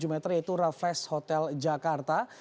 meter yaitu raffles hotel jakarta